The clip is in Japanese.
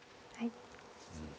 はい。